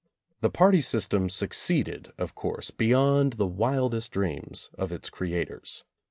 The party system succeeded, of course, beyond the wildest dreams of its creators.